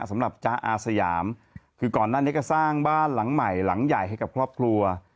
สำหรับจ๊ะอาสยามคือก่อนหน้านี้ก็สร้างบ้านหลังใหม่หลังใหญ่ให้กับครอบครัว